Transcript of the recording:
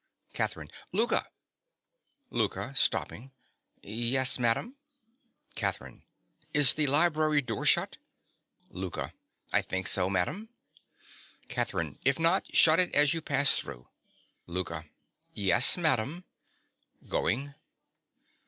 _) CATHERINE. Louka! LOUKA. (stopping). Yes, madam. CATHERINE. Is the library door shut? LOUKA. I think so, madam. CATHERINE. If not, shut it as you pass through. LOUKA. Yes, madam. (_Going.